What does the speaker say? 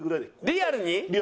リアルに？